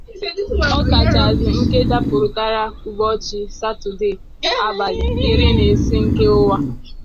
ọkachasị nke dapụtara ụbọchị Satọdee abalị iri na isii nke ọnwa